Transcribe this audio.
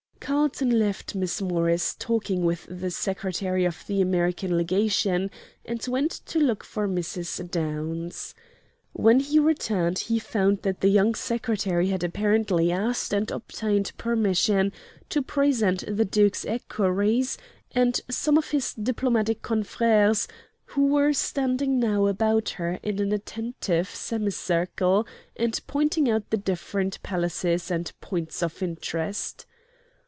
Carlton left Miss Morris talking with the Secretary of the American Legation, and went to look for Mrs. Downs. When he returned he found that the young Secretary had apparently asked and obtained permission to present the Duke's equerries and some of his diplomatic confreres, who were standing now about her in an attentive semicircle, and pointing out the different palaces and points of interest.